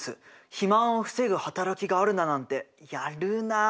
肥満を防ぐ働きがあるだなんてやるなあ。